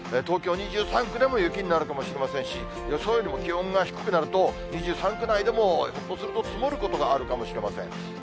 東京２３区でも雪になるかもしれませんし、予想よりも気温が低くなると、２３区内でもひょっとすると積もることがあるかもしれません。